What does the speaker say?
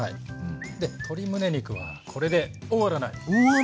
で鶏むね肉はこれで終わらない。